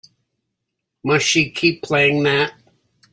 Must she keep playing that?